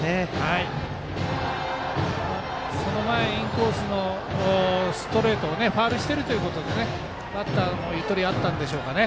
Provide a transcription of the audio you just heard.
その前インコースのストレートをファウルしてるということでバッターもゆとりあったんですかね。